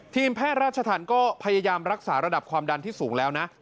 ทีมแพทย์ราชธรรมก็พยายามรักษาระดับความดันที่สูงแล้วนะ